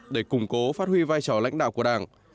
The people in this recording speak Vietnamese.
để củng cố phát huy vai trò lãnh đạo của đảng